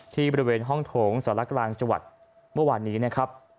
บริเวณห้องโถงสารกลางจังหวัดเมื่อวานนี้นะครับ